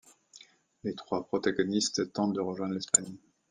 Les trois protagonistes, tentent de rejoindre l'Espagne.